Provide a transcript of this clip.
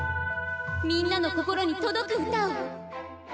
みんなの心に届く歌を。